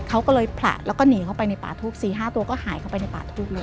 เขาก็เลยผละแล้วก็หนีเข้าไปในป่าทูป๔๕ตัวก็หายเข้าไปในป่าทูปเลย